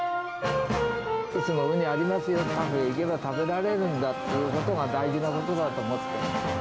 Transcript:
いつもウニありますよ、タフに行けば食べられるんだということが、大事なことだと思ってます。